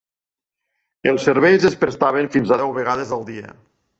Els serveis es prestaven fins a deu vegades al dia.